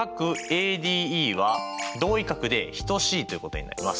ＡＤＥは同位角で等しいということになります。